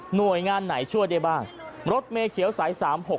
หน่วยงานไหนช่วยได้บ้างรถเมเขียวสายสามหก